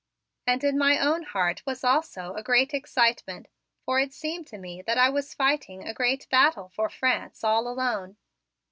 And in my own heart was also a great excitement, for it seemed to me that I was fighting a great battle for France all alone.